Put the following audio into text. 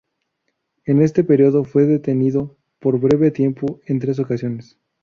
En este periodo fue detenido, por breve tiempo, en tres ocasiones.